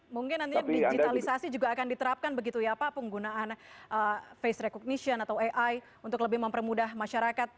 mungkin nantinya digitalisasi juga akan diterapkan begitu ya pak penggunaan face recognition atau ai untuk lebih mempermudah masyarakat